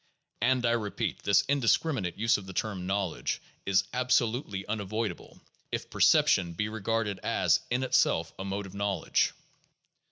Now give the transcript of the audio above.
And, I repeat, this indiscriminate use of the term "knowledge" is absolutely unavoidable if perception be regarded as, in itself, a mode of knowledge.